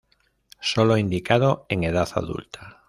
Sólo indicado en edad adulta.